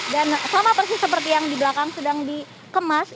dan sama persis seperti yang di belakang sedang dikemas